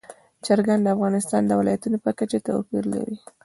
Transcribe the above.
چرګان د افغانستان د ولایاتو په کچه توپیر لري.